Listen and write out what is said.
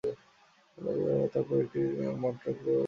তারপর অবশিষ্ট সকলকে নিমজ্জিত করলাম।